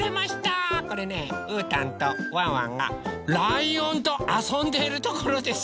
これねうーたんとワンワンがライオンとあそんでいるところです。